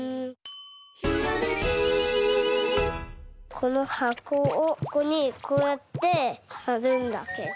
このはこをここにこうやってはるんだけど。